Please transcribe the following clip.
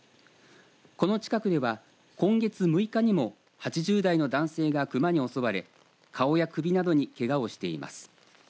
この近くでは今月６日にも８０代の男性が熊に襲われ顔や首などにけがをしています。